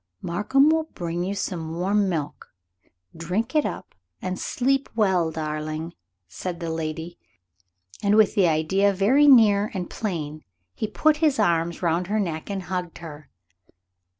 "Markham will bring you some warm milk. Drink it up and sleep well, darling," said the lady; and with the idea very near and plain he put his arms round her neck and hugged her.